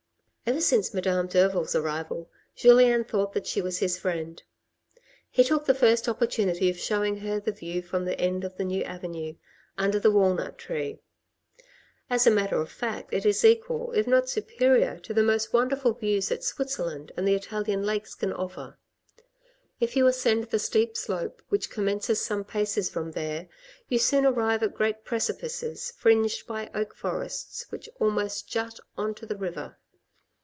Ever since Madame Derville's arrival, Julien thought that she was his friend ; he took the first opportunity of showing her the view from the end of the new avenue, under the walnut tree; as a matter of fact it is equal, if not superior, to the most wonderful views that Switzerland and the Italian lakes can offer. If you ascend the steep slope which com mences some paces from there, you soon arrive at great precipices fringed by oak forests, which almost jut on to the river.